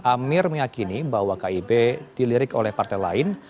amir meyakini bahwa kib dilirik oleh partai lain